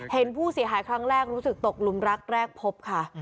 เห็นผู้เสียหายครั้งแรกรู้สึกตกลุมรักแรกพบค่ะ